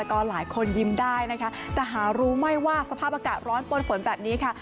ก็หลายคนยิ้มได้นะคะแต่หารู้ไหมว่าสภาพอากาศร้อนปนฝนแบบนี้ค่ะ